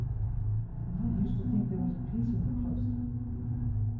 " And I used to think there was peace in the cloister